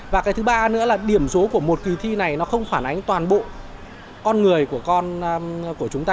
và cái thứ ba nữa là điểm số của một kỳ thi này nó không phản ánh toàn bộ con người của con